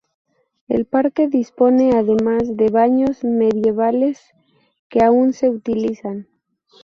El parque dispone además de baños medievales que aún se utilizan.